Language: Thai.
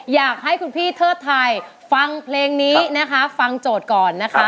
อยากให้คุณพี่เทิดไทยฟังเพลงนี้นะคะฟังโจทย์ก่อนนะคะ